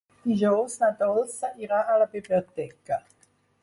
Dijous na Dolça irà a la biblioteca.